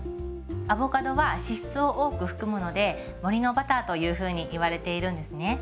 アボカドは脂質を多く含むので森のバターというふうにいわれているんですね。